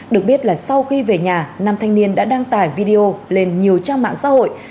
được biết là sau khi về nhà năm thanh niên đã đăng tải video lên nhiều trang mạng xã hội